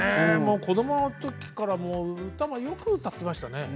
子どものときから歌もよく歌っていましたね。